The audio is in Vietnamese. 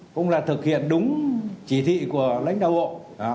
cũng là thực hiện đúng chỉ thị của lãnh đạo bộ